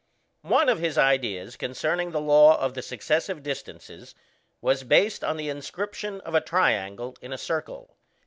] One of his ideas concerning the law of the successive distances was based on the inscription of a triangle in a circle.